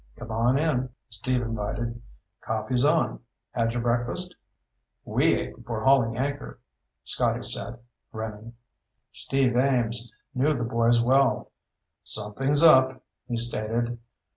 "Come on in," Steve invited. "Coffee's on. Had your breakfast?" "We ate before hauling anchor," Scotty said, grinning. Steve Ames knew the boys well. "Something's up," he stated.